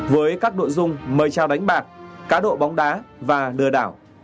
với các đội dung mời trào đánh bạc cá độ bóng đá và lừa đảo